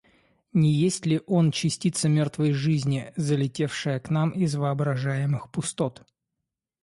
Не есть ли он частица мертвой жизни, залетевшая к нам из воображаемых пустот?